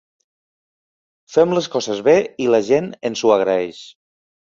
Fem les coses bé i la gent ens ho agraeix.